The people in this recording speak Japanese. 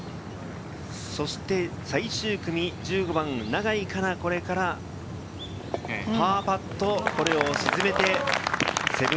最終組、１５番、永井花奈、これからパーパット、これを沈めて−７。